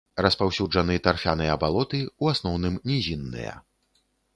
Распаўсюджаны тарфяныя балоты, у асноўным нізінныя.